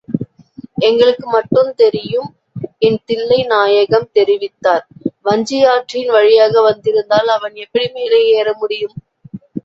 எங்களுக்குமட்டுத் தெரியும் என் தில்லைநாயகம் தெரிவித்தார். வஞ்சியாற்றின் வழியாக வந்திருந்தால் அவன் எப்படி மேலே ஏற முடியும்?